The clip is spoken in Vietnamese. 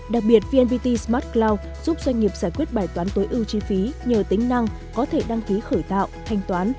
đặc biệt vnpt smart cloud giúp doanh nghiệp giải quyết bài toán tối ưu chi phí nhờ tính năng có thể đăng ký khởi tạo thanh toán